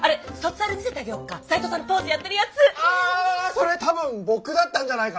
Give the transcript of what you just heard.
それ多分僕だったんじゃないかな？